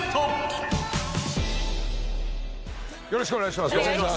よろしくお願いします。